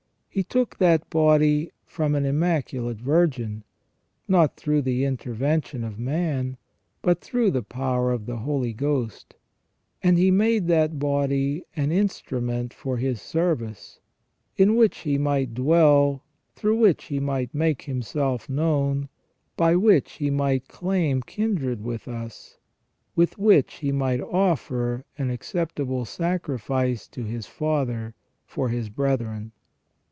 He took that body from an Immaculate Virgin, not through the intervention of man, but through the power of the Holy Ghost ; and He made that body an instrument for His service, in which He might dwell, through which He might make Himself known, by which He might claim kindred with us, with which He might offer an acceptable sacrifice to His Father for His brethren.